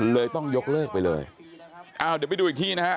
เลยต้องยกเลิกไปเลยอ้าวเดี๋ยวไปดูอีกทีนะฮะ